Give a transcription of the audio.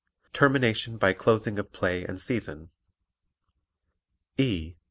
Termination By Closing of Play and Season E.